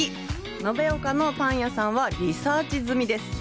延岡のパン屋さんはリサーチ済みです。